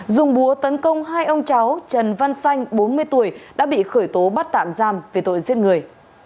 dùng búa tấn công hai ông cháu trần văn xanh bốn mươi tuổi đã bị khởi tố bắt tạm giam về tội giết người